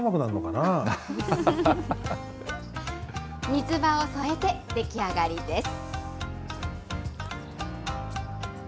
みつばを添えて出来上がりです。